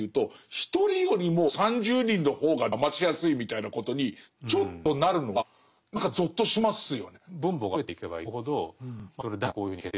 １人よりも３０人の方がだましやすいみたいなことにちょっとなるのは何かぞっとしますよね。